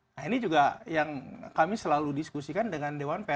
nah ini juga yang kami selalu diskusikan